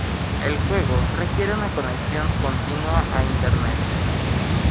El juego requiere una conexión continua a Internet.